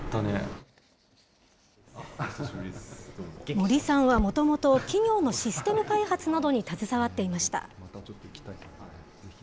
森さんはもともと企業のシステム開発などに携わっていました。